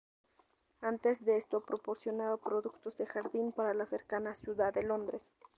Antes de esto proporcionaba productos de jardin para la cercana Ciudad de Londres.